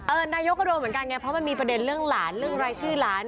นายกก็โดนเหมือนกันไงเพราะมันมีประเด็นเรื่องหลานเรื่องรายชื่อหลาน